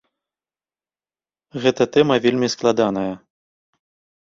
Гэта тэма вельмі складаная.